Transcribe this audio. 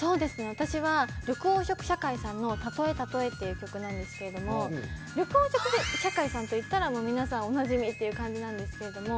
私は緑黄色社会さんの『たとえたとえ』っていう曲なんですけれども緑黄色社会さんといったら皆さんおなじみっていう感じなんですけれども。